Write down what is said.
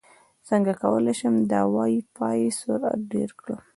څنګه کولی شم د وائی فای سرعت ډېر کړم